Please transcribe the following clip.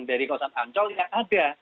dari kawasan ancol yang ada